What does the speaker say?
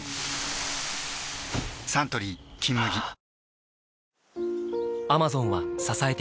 サントリー「金麦」あっ！